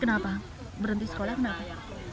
kenapa berhenti sekolah kenapa